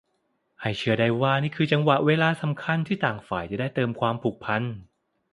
ให้เชื่อได้ว่านี่คือจังหวะเวลาสำคัญที่ต่างฝ่ายจะได้เติมความผูกพัน